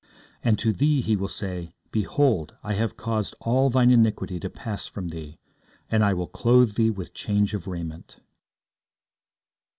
And to thee He will say, Behold, I have caused all thine iniquity to pass from thee, and I will clothe thee with change of raiment.